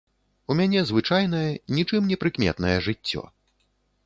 У мяне звычайнае, нічым не прыкметнае жыццё.